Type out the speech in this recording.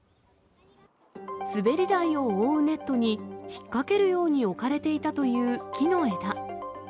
滑り台を覆うネットに引っ掛けるように置かれていたという木の枝。